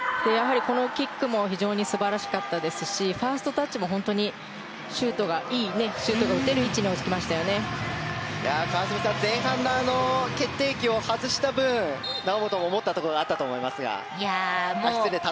このキックも非常に素晴らしかったですしファーストタッチもいいシュートが打てる位置に川澄さん、前半の決定機を外した分猶本も思ったところがあったと思いますが。